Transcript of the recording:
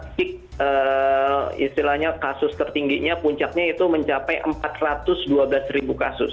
peak istilahnya kasus tertingginya puncaknya itu mencapai empat ratus dua belas ribu kasus